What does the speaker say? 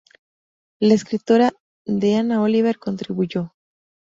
La escritora Deanna Oliver contribuyó.